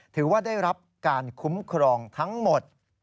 ถือว่าได้รับการคุ้มครองทั้งหมด